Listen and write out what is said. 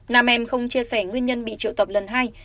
nam em không chia sẻ nguyên nhân bị triệu tập lần hai